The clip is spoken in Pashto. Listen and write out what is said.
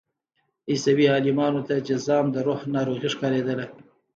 عیسوي عالمانو ته جذام د روح ناروغي ښکارېدله.